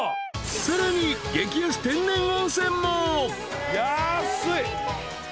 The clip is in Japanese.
［さらに激安天然温泉も］